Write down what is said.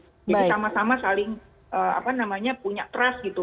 jadi sama sama saling punya trust gitu